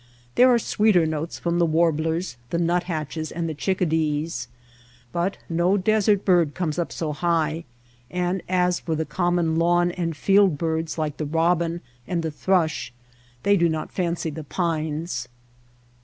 There are sweeter notes from the warblers, the nuthatches, and the chickadees. But no desert bird comes up so high ; and as for the common lawn and field birds like the robin and the thrush, they do not fancy the pines.